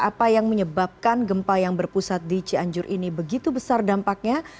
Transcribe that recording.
apa yang menyebabkan gempa yang berpusat di cianjur ini begitu besar dampaknya